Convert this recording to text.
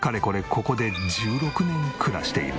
ここで１６年暮らしている。